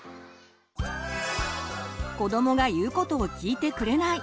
子どもが言うことを聞いてくれない！